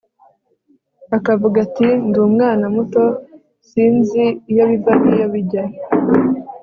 akavuga ati ndi umwana muto; sinzi iyo biva n'iyo bijya